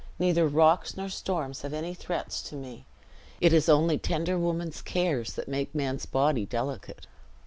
Neither rocks nor storms have any threats to me. It is only tender woman's cares that make man's body delicate.